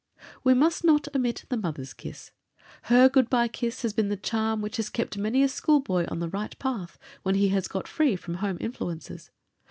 We must not omit the mother's kiss. Her good bye kiss has been the charm which has kept many a schoolboy in the right path when he has got free from home influences.